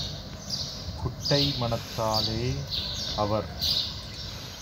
குட்டை மனத்தாலே - அவர்